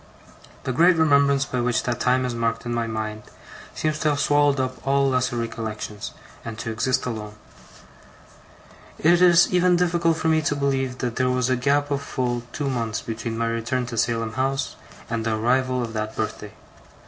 The great remembrance by which that time is marked in my mind, seems to have swallowed up all lesser recollections, and to exist alone. It is even difficult for me to believe that there was a gap of full two months between my return to Salem House and the arrival of that birthday.